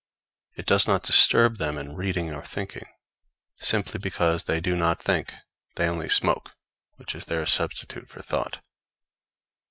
It does not disturb them in reading or thinking, simply because they do not think; they only smoke, which is their substitute for thought.